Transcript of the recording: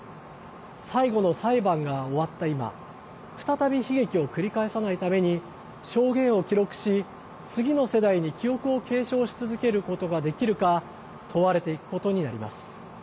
最後の裁判が終わった今再び悲劇を繰り返さないために証言を記録し、次の世代に記憶を継承し続けることができるか問われていくことになります。